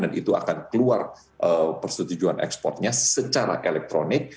dan itu akan keluar persetujuan ekspornya secara elektronik